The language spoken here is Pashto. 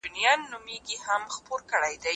په پایله کې چې اوبه وساتل شي، وچکالي به شدیده نه شي.